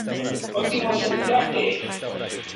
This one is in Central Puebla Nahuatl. Otimosenkajkej.